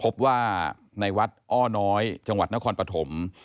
พบว่าในวัดอ้อน้อยจังหวัดนครปฐม